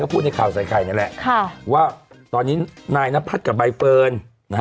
พูดให้ข่าวใส่ใครนี่แหละว่าตอนนี้นายนพัดกับใบเฟิร์น